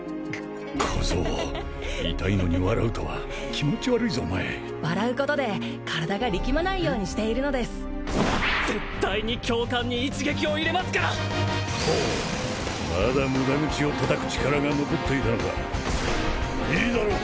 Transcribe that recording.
小僧痛いのに笑うとは気持ち悪いぞお前笑うことで体が力まないようにしているのです絶対に教官に一撃を入れますからほうまだムダ口を叩く力が残っていたのかいいだろう